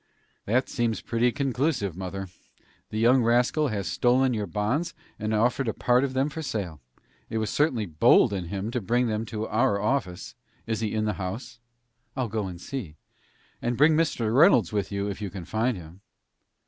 "That seems pretty conclusive, mother. The young rascal has stolen your bonds, and offered a part of them for sale. It was certainly bold in him to bring them to our office. Is he in the house?" "I'll go and see." "And bring Mr. Reynolds with you, if you can find him."